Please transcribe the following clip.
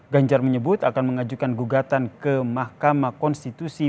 ganjar menyebut akan mengajukan gugatan ke mahkamah konstitusi